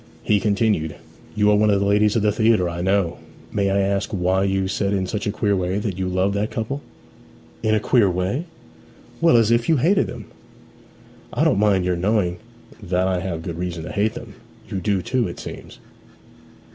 He continued, 'You are one of the ladies of the theatre, I know. May I ask why you said in such a queer way that you loved that couple?' 'In a queer way?' 'Well, as if you hated them.' 'I don't mind your knowing that I have good reason to hate them. You do too, it seems?'